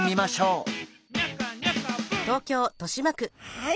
はい。